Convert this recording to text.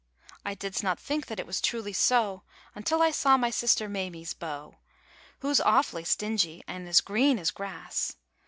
I didst not think that it wast truly so Until I saw my sister Maymie s beau Who s awful stingy and as green as grass!